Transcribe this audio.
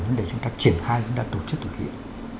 vấn đề chúng ta triển khai chúng ta tổ chức thực hiện